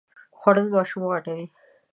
خوړل ماشوم غټوي